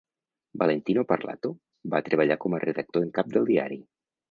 Valentino Parlato va treballar com a redactor en cap del diari.